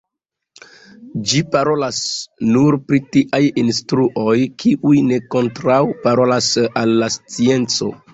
Ĝi parolas nur pri tiaj instruoj, kiuj ne kontraŭparolas al la scienco.